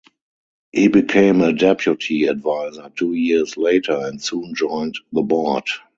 He became a deputy adviser two years later, and soon joined the board.